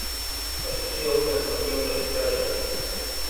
L'estació transmetia unes vuit hores al dia.